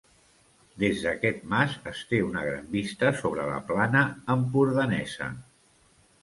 Des d'aquest mas es té una gran vista sobra la plana empordanesa.